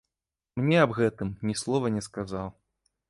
Мне аб гэтым ні слова не сказаў.